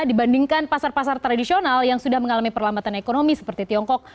dibandingkan pasar pasar tradisional yang sudah mengalami perlambatan ekonomi seperti tiongkok